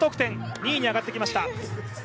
２位に上がってきました！